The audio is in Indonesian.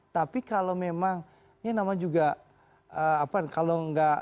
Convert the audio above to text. tapi kalau memang ini nama juga apa kalau enggak